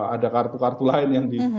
ada kartu kartu lain yang di